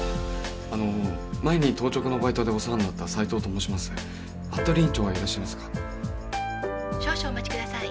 前に当直のバイトでお世話になった斉藤と申します服部院長はいらっしゃいますか☎少々お待ちください